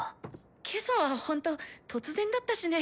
今朝はほんと突然だったしね。